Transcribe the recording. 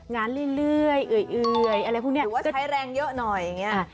เรื่อยเอื่อยอะไรพวกนี้ถือว่าใช้แรงเยอะหน่อยอย่างนี้